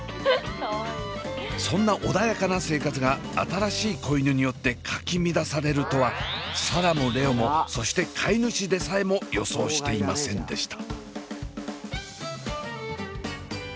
そんな穏やかな生活が新しい子犬によってかき乱されるとは紗蘭も蓮音もそして飼い主でさえも予想していませんでした。